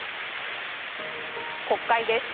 国会です。